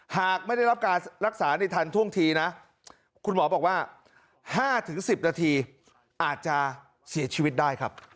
หากไม่ได้รับการรักษาในทันท่วงทีนะคุณหมอบอกว่า๕๑๐นาทีอาจจะเสียชีวิตได้ครับ